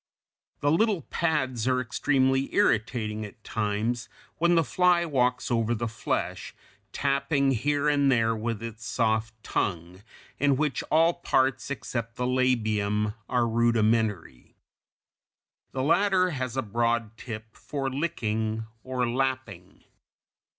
The little pads are extremely irritating at times when the fly walks over the flesh, tapping here and there with its soft tongue, in which all parts except the labium are rudimentary. The latter has a broad tip for licking or lapping.